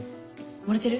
盛れてる？